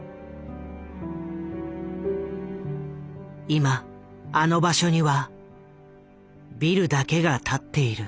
今あの場所にはビルだけが立っている。